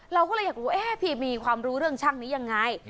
เราก็เลยอยากรู้พี่มีความรู้เรื่องช่างนี้ยังไง